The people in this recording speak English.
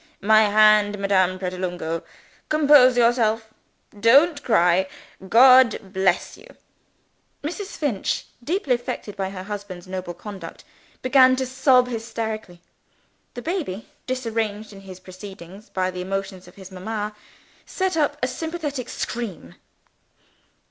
"My Hand, Madame Pratolungo. Compose yourself. Don't cry. God bless you! Mrs. Finch, deeply affected by her husband's noble conduct, began to sob hysterically. The baby, disarranged in his proceedings by the emotions of his mama, set up a sympathetic scream.